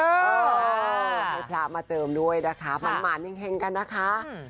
ให้พระมาเจิมด้วยนะคะหมานเห็งกันนะคะ